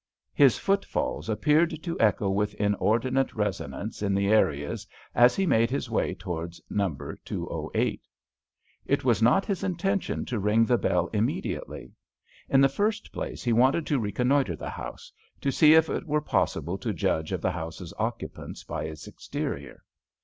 His footfalls appeared to echo with inordinate resonance in the areas as he made his way towards Number 208. It was not his intention to ring the bell immediately. In the first place he wanted to reconnoitre the house, to see if it were possible to judge of the house's occupants by its exterior.